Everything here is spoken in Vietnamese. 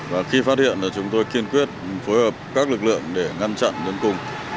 và khi phát hiện chúng tôi kiên quyết phối hợp các lực lượng để ngăn chặn dân cùng